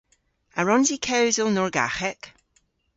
A wrons i kewsel Norgaghek?